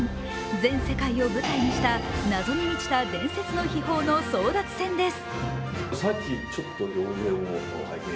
全世界を舞台にした謎に満ちた伝説の秘宝の争奪戦です。